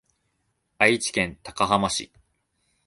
愛知県高浜市